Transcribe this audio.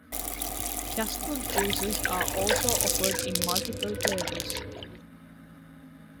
Kasfruit juices are also offered in multiple flavors.